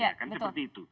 ya kan seperti itu